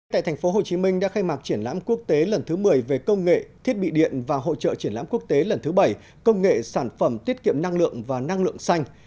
tại thành phố hồ chí minh đã khai mạc triển lãm quốc tế lần thứ một mươi về công nghệ thiết bị điện và hỗ trợ triển lãm quốc tế lần thứ bảy công nghệ sản phẩm tiết kiệm năng lượng và năng lượng xanh